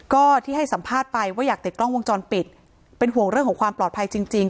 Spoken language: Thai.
ก็ที่ให้สัมภาษณ์ไปว่าอยากติดกล้องวงจรปิดเป็นห่วงเรื่องของความปลอดภัยจริงจริง